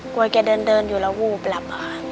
กลัวแกเดินอยู่แล้ววูบหลับค่ะ